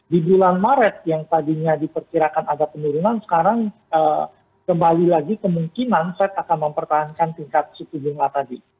di bulan maret yang tadinya diperkirakan ada penurunan sekarang kembali lagi kemungkinan fed akan mempertahankan tingkat suku bunga tadi